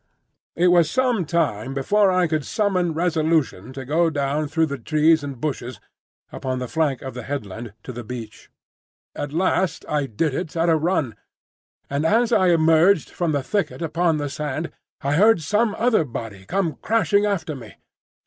It was some time before I could summon resolution to go down through the trees and bushes upon the flank of the headland to the beach. At last I did it at a run; and as I emerged from the thicket upon the sand, I heard some other body come crashing after me.